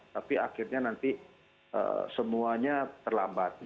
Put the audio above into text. tapi akhirnya nanti semuanya terlambat